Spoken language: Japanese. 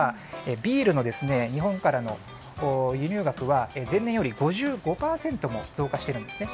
ビールの日本からの輸入額は前年より５５％も増加しているんですね。